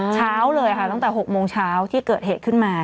เช้าเลยค่ะตั้งแต่๖โมงเช้าที่เกิดเหตุขึ้นมา